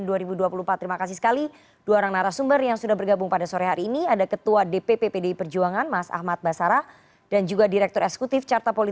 terima kasih sekali